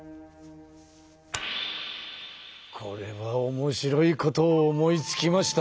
これはおもしろいことを思いつきました。